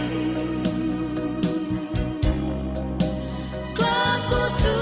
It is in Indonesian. kelaku tukar dengan mahkota